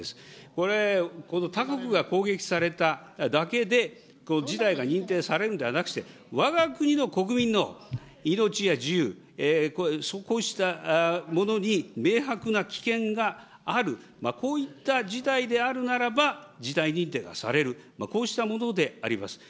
これ、他国が攻撃されただけで、事態が認定されるんではなくて、わが国の国民の命や自由、こうしたものに明白な危険がある、こういった事態であるならば、事態認定がされる、こうしたものであります。